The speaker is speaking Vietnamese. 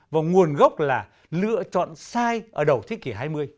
và nguồn gốc là lựa chọn sai ở đầu thế kỷ hai mươi